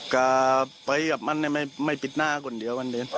ก็ไปกับมันไม่ปิดหน้าคนเดียวมันเดิน